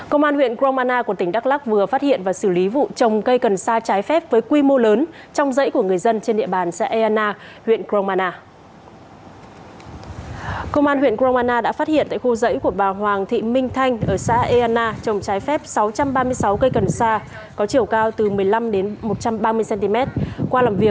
công an huyện cromana của tỉnh đắk lắc vừa phát hiện và xử lý vụ trồng cây cần sa trái phép với quy mô lớn trong dãy của người dân trên địa bàn xã eana huyện cromana